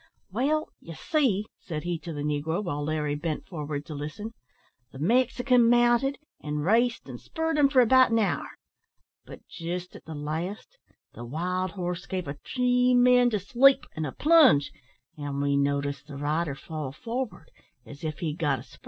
"Well, you see," said he to the negro, while Larry bent forward to listen, "the Mexican mounted, and raced and spurred him for about an hour; but, just at the last, the wild horse gave a tremendous leap and a plunge, and we noticed the rider fall forward, as if he'd got a sprain.